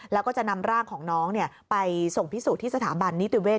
แล้วก็จะนำร่างของน้องไปส่งพิสูจน์ที่สถาบันนิติเวศ